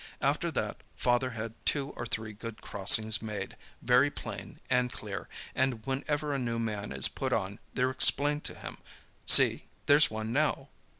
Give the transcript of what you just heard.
After that father had two or three good crossings made very plain and clear, and whenever a new man is put on they're explained to him. See, there's one now."